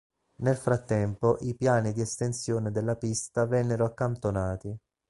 Nel frattempo i piani di estensione della pista vennero accantonati.